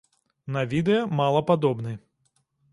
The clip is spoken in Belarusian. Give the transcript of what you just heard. На відэа мала падобны.